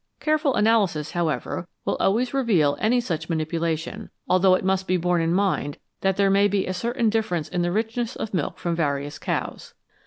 Careful analysis, however, will always reveal any such manipulation, although it must be borne in mind that there may be a certain difference in the richness of milk from various cows.